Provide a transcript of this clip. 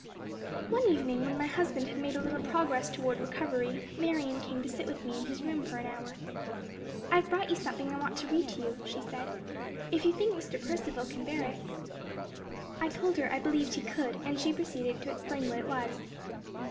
One evening, when my husband had made a little progress towards recovery, Marion came to sit with me in his room for an hour. "I've brought you something I want to read to you," she said, "if you think Mr. Percivale can bear it." I told her I believed he could, and she proceeded to explain what it was.